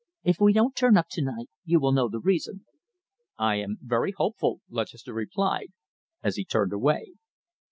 "If we don't turn up to night, you will know the reason." "I am very hopeful," Lutchester replied, as he turned away.